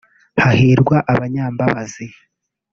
hahirwa abanyambabazi